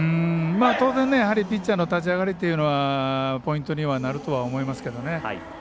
当然、ピッチャーの立ち上がりというのはポイントにはなると思いますけどね。